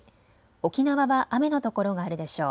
沖縄は雨の所があるでしょう。